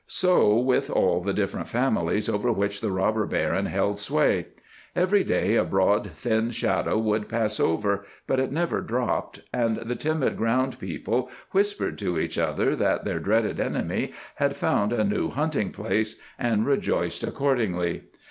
So with all the different families over which the Robber Baron held sway. Every day a broad, thin shadow would pass over, but it never dropped, and the timid ground people whispered to each other that their dreaded enemy had found a new hunting place, and rejoiced accordingly.